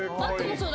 そう！